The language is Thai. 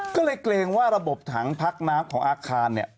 ก็เลยเกรงว่าระบบถังพักน้ำของอาคารเนี่ย